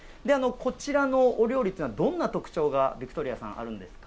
こちらのお料理っていうのは、どんな料理が、ビクトリアさん、あるんですか？